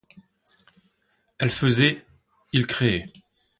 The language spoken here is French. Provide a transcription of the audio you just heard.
Elle faisait, il créait.